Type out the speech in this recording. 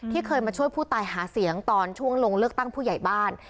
เคยมาช่วยผู้ตายหาเสียงตอนช่วงลงเลือกตั้งผู้ใหญ่บ้าน